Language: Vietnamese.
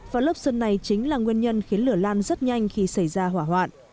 và lớp sơn này chính là nguyên nhân khiến lửa lan rất nhanh khi xảy ra hỏa hoạn